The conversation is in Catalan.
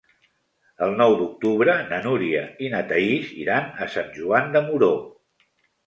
El nou d'octubre na Núria i na Thaís iran a Sant Joan de Moró.